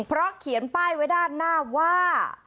เพราะเขียนป้ายไว้ด้านหน้าว่า